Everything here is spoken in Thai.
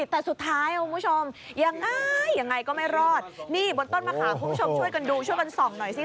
แต่สุดท้ายคุณผู้ชมยังไงยังไงก็ไม่รอดนี่บนต้นมะขามคุณผู้ชมช่วยกันดูช่วยกันส่องหน่อยสิ